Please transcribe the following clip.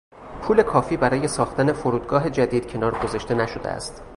پول کافی برای ساختن فرودگاه جدید کنار گذاشته نشده است.